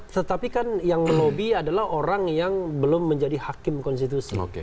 tetapi kan yang melobi adalah orang yang belum menjadi hakim konstitusi